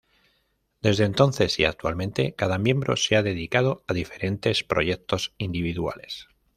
Desde entonces y actualmente, cada miembro se ha dedicado a diferentes proyectos individuales.